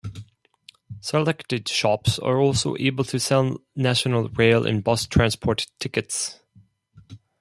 Selected shops are also able to sell national rail and bus transport tickets.